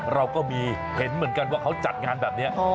เราก็มีเห็นเหมือนกันว่าเขาจัดงานแบบนี้